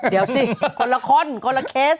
เดี๋ยวสิคนละคนคนละเคส